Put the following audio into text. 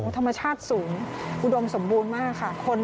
ธรรมชาติสูงอุดมสมบูรณ์มากค่ะ